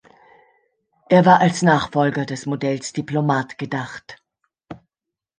Er war als Nachfolger des Modells Diplomat gedacht.